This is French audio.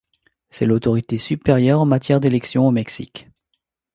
C'est l'autorité supérieure en matière d'élection au Mexique.